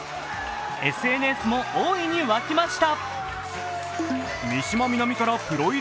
ＳＮＳも大いに沸きました。